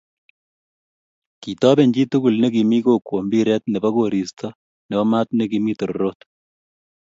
kitoben chi tugul nekimi kokwo mpiret nebo koristo nebo maat nekimii tororot